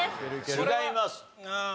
違います。